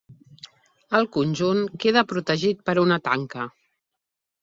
El conjunt queda protegit per una tanca.